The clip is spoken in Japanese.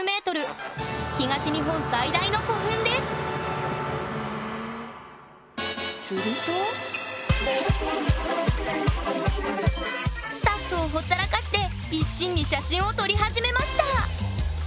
東日本最大の古墳ですするとスタッフをほったらかして一心に写真を撮り始めました！